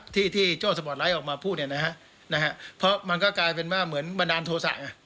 ที่โจทย์สบอดร้ายออกมาพูดเพราะมันก็กลายเป็นมาเหมือนบันดาลโทษะ